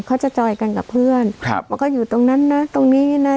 เขาจะจอยกันกับเพื่อนมันก็อยู่ตรงนั้นนะตรงนี้นะ